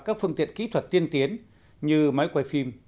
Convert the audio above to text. các phương tiện kỹ thuật tiên tiến như máy quay phim